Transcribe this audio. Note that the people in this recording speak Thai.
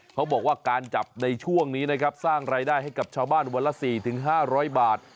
เขาบอกว่าการจับในช่วงนี้นะครับสร้างรายได้ให้กับชาวบ้านวันละ๔๕๐๐บาท